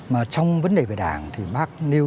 mà trong vấn đề về đảng thì bác nêu